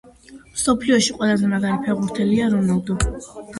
მსოფლიოში ყველაზე მაგარი ფეხბურთელია მესსი.